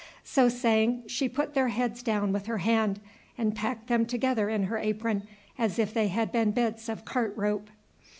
So saying, she put their heads down with her hand, and packed them together in her apron as if they had been bits of cart rope.